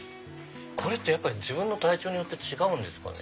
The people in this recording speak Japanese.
これって自分の体調によって違うんですかね？